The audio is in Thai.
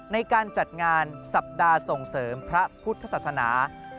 ในการจัดงานสัปดาห์ส่งเสริมพระพุทธศาสนา